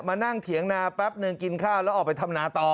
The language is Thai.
นั่งเถียงนาแป๊บนึงกินข้าวแล้วออกไปทำนาต่อ